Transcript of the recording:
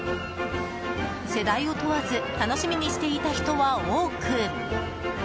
世代を問わず楽しみにしていた人は多く。